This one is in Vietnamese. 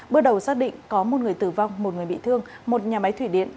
bước đầu xác định có một người tử vong một người bị thương một nhà máy thủy điện